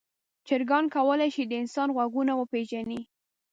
چرګان کولی شي د انسان غږونه وپیژني.